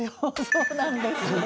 そうなんです。